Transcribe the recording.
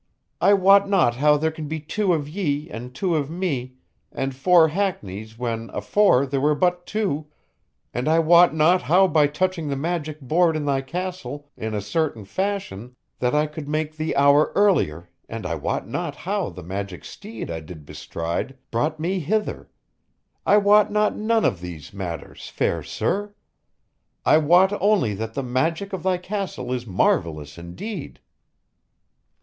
I wot not how there can be two of ye and two of me and four hackneys when afore there were but two, and I wot not how by touching the magic board in thy castle in a certain fashion that I could make the hour earlier and I wot not how the magic steed I did bestride brought me hither I wot not none of these matters, fair sir. I wot only that the magic of thy castle is marvelous indeed."